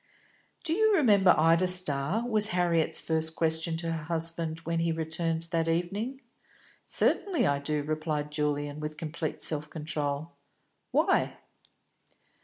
"Do you remember Ida Starr?" was Harriet's first question to her husband when he returned that evening. "Certainly I do," replied Julian, with complete self control. "Why?"